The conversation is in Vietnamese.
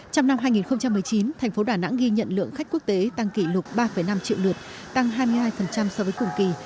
trong năm hai nghìn một mươi chín thành phố đà nẵng ghi nhận lượng khách quốc tế tăng kỷ lục ba năm triệu lượt tăng hai mươi hai so với cùng kỳ